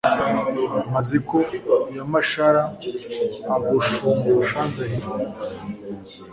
Maziko ya Mashara Agushumbusha Ndahiro,